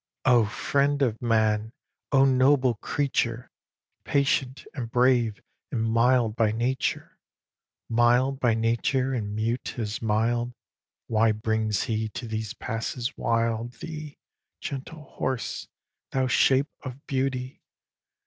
O friend of man! O noble creature! Patient and brave, and mild by nature, Mild by nature, and mute as mild, Why brings he to these passes wild Thee, gentle horse, thou shape of beauty?